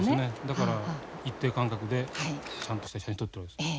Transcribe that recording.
だから一定間隔でちゃんとした写真撮ってるわけです。